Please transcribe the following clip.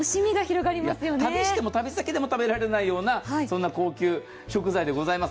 旅しても旅先でも食べられないような高級食材でございます。